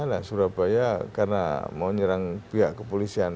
nah surabaya karena mau nyerang pihak kepolisian